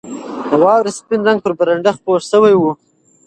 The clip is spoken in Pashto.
د واورې سپین رنګ پر بالکن خپور شوی و.